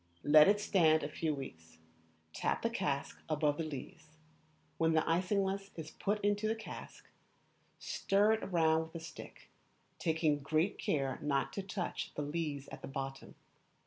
Let it stand a few weeks. Tap the cask above the lees. When the isinglass is put into the cask, stir it round with a stick, taking great care not to touch the lees at the bottom.